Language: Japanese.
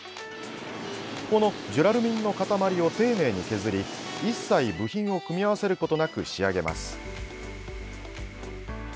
このジュラルミンの塊を丁寧に削り一切、部品を組み合わせることなく仕上げます。